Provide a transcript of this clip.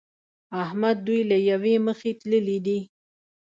احمد دوی له يوې مخې تللي دي.